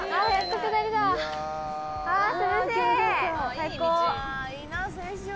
最高！